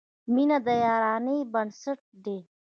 • مینه د یارانې بنسټ دی.